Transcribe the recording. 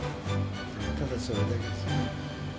ただそれだけですね。